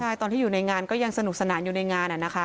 ใช่ตอนที่อยู่ในงานก็ยังสนุกสนานอยู่ในงานนะคะ